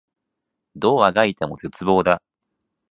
どう足掻いても絶望だ